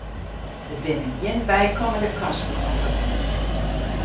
Der binne gjin bykommende kosten oan ferbûn.